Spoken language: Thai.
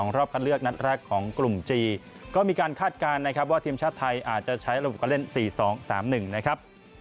รอบคัดเลือกนัดแรกของกลุ่มจีนก็มีการคาดการณ์นะครับว่าทีมชาติไทยอาจจะใช้ระบบการเล่น๔๒๓๑นะครับ